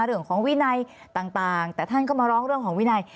วินัยต่างแต่ท่านก็มาร้องเรื่องของวินัย